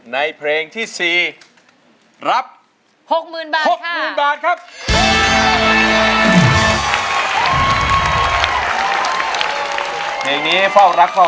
ในเพลงที่๔รับ๖๐๐๐๐บาทค่ะ